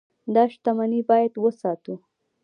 دا شتمني باید وساتو.